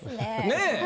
ねえ。